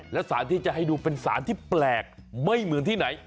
และสารที่จะให้ดูเป็นสารที่แปลกไม่เหมือนที่ไหน